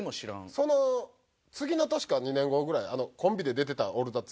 その次の年か２年後ぐらいコンビで出てた『オールザッツ』。